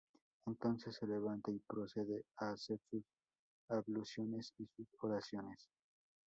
Entonces se levanta y procede a hacer sus abluciones y sus oraciones.